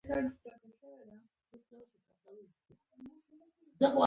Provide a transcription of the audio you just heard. رسنۍ باید د خلکو غږ منعکس کړي.